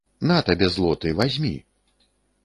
На табе злоты, вазьмі.